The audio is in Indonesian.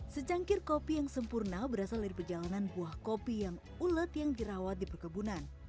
secangkir kopi yang sempurna berasal dari perjalanan buah kopi yang ulet yang dirawat di perkebunan